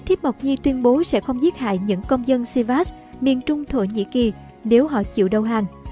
thiếp mộc nhi tuyên bố sẽ không giết hại những công dân sivas nếu họ chịu đầu hàng